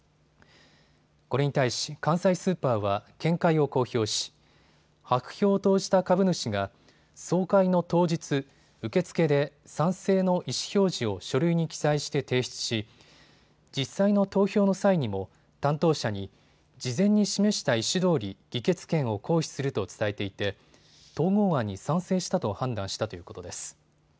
これに対し関西スーパーは見解を公表し白票を投じた株主が総会の当日、受け付けで賛成の意思表示を書類に記載して提出し実際の投票の際にも担当者に事前に示した意思どおり議決権を行使すると伝えていて統合案に賛成したと判断したということです。